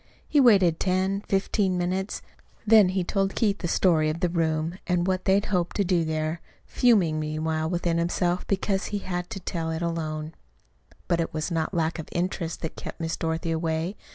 He waited ten, fifteen minutes; then he told Keith the story of the room, and of what they hoped to do there, fuming meanwhile within himself because he had to tell it alone. But it was not lack of interest that kept Miss Dorothy away.